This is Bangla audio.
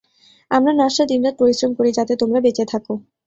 আমরা নার্সরা দিনরাত পরিশ্রম করি যাতে তোমরা বেঁচে থাকো।